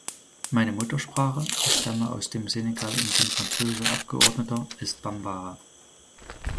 Meine Muttersprache ich stamme aus dem Senegal und bin französischer Abgeordneter ist Bambara.